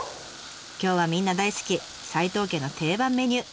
今日はみんな大好き斎藤家の定番メニュー！